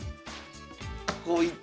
こういった。